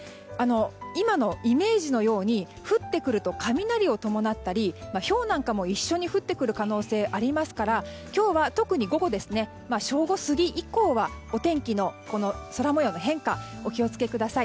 今のイメージのように降ってくると雷を伴ったりひょうなんかも一緒に降ってくる可能性ありますから今日は特に午後、正午過ぎ以降は空模様の変化にお気をつけください。